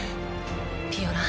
ピオラン。